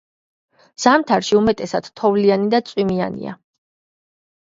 ზამთარში უმეტესად თოვლიანი და წვიმიანია.